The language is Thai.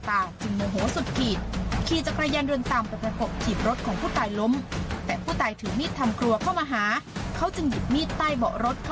เรารู้จักกับผู้ตามานานหรือยัง